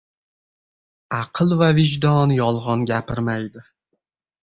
• Aql va vijdon yolg‘on gapirmaydi.